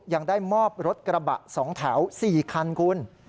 ยังได้มอบรถกระบะ๒แถว๔คันคุณ